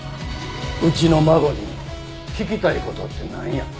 うちの孫に聞きたい事ってなんや？